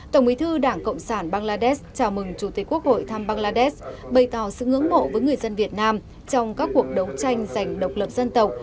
tổng bí thư đảng cộng sản bangladesh chào mừng chủ tịch quốc hội thăm bangladesh bày tỏ sự ngưỡng mộ với người dân việt nam trong các cuộc đấu tranh giành độc lập dân tộc